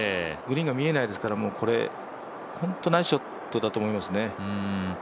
グリーンが見えないですから本当、ナイスショットだと思いますね。